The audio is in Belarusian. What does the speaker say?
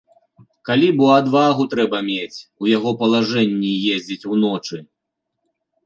Калі бо адвагу трэба мець, у яго палажэнні ездзіць уночы!